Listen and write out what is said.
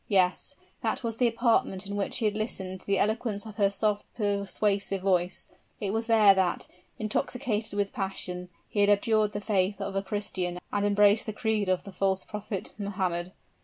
Yes that was the apartment in which he had listened to the eloquence of her soft, persuasive voice it was there that, intoxicated with passion, he had abjured the faith of a Christian and embraced the creed of the false Prophet Mohammed.